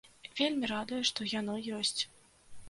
Вельмі радуе, што яно ёсць.